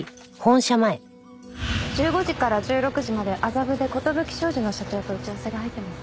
１５時から１６時まで麻布で琴葺商事の社長と打ち合わせが入ってます。